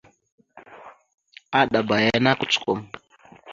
Azlaba yana kusəkom.